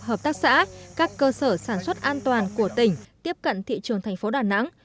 hợp tác xã các cơ sở sản xuất an toàn của tỉnh tiếp cận thị trường thành phố đà nẵng